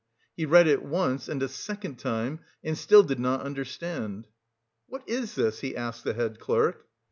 He read it once, and a second time, and still did not understand. "What is this?" he asked the head clerk.